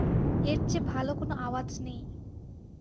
এর চেয়ে ভালো কোনো আওয়াজ নেই।